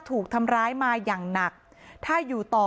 ถูกทำร้ายมาอย่างหนักถ้าอยู่ต่อ